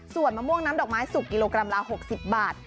ส่วนมะม่วงน้ำดอกไม้สุกกิโลกรัมละ๖๐บาท